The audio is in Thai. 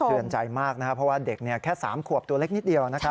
เตือนใจมากนะครับเพราะว่าเด็กแค่๓ขวบตัวเล็กนิดเดียวนะครับ